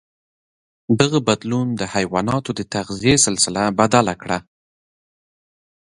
دغه بدلون د حیواناتو د تغذيې سلسله بدل کړه.